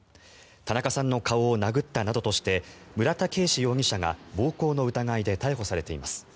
田中さんの顔を殴ったなどとして村田圭司容疑者が暴行の疑いで逮捕されています。